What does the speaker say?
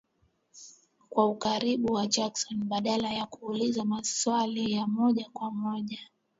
kwa ukaribu na Jackson, badala ya kuuliza maswali ya moja kwa moja